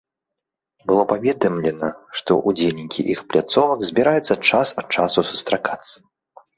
Было паведамлена, што ўдзельнікі іх пляцовак збіраюцца час ад часу сустракацца.